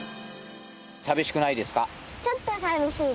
寂しくないですか？